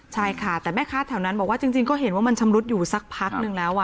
ใช่ค่ะแต่แม่ค้าแถวนั้นบอกว่าจริงก็เห็นว่ามันชำรุดอยู่สักพักนึงแล้ว